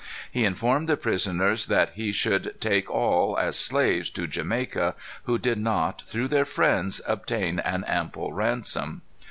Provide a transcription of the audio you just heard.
He informed the prisoners that he should take all, as slaves, to Jamaica, who did not, through their friends, obtain an ample ransom.